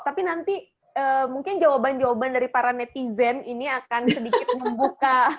tapi nanti mungkin jawaban jawaban dari para netizen ini akan sedikit membuka